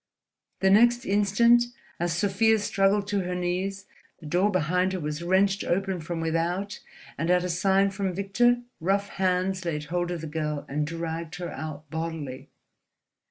The next instant, as Sofia struggled to her knees, the door behind her was wrenched open from without and, at a sign from Victor, rough hands laid hold of the girl and dragged her out bodily.